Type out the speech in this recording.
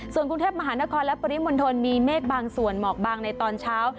ส่วนกรุงเทพมหานครและปริมณฑลมีเมฆบางส่วนหมอกบางในตอนเช้า